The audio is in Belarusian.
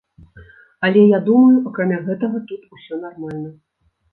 Але я думаю акрамя гэтага тут усё нармальна.